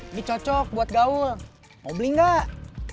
ini cocok buat gaul mau beli nggak